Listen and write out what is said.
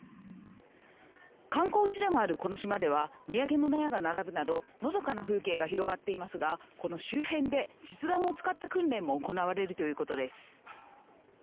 観光地でもあるこの島では土産物屋が並ぶなどのどかな風景が広がっていますがこの周辺で実弾を使った訓練も行われるということです。